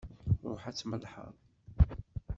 Ṛuḥ ad tmellḥeḍ!